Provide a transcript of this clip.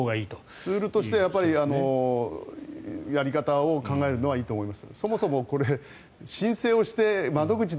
ツールとしてやり方を考えるのはいいと思います。